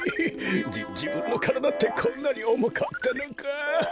じじぶんのからだってこんなにおもかったのか。